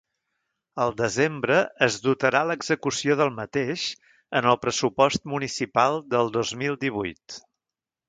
Al desembre es dotarà l’execució del mateix en el pressupost municipal del dos mil divuit.